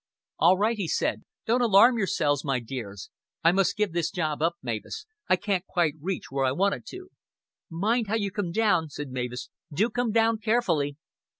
"All right," he said. "Don't alarm yourselves, my dears. I must give this job up, Mavis. I can't quite reach where I wanted to." "Mind how you come down," said Mavis. "Do come down carefully."